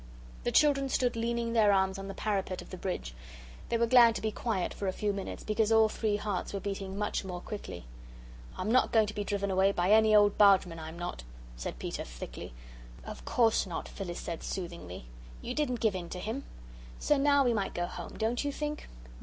The children stood leaning their arms on the parapet of the bridge; they were glad to be quiet for a few minutes because all three hearts were beating much more quickly. "I'm not going to be driven away by any old bargeman, I'm not," said Peter, thickly. "Of course not," Phyllis said soothingly; "you didn't give in to him! So now we might go home, don't you think?"